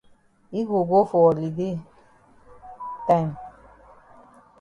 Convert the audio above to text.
Yi go go for holiday time.